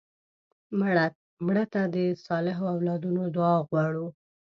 مړه ته د صالحو اولادونو دعا غواړو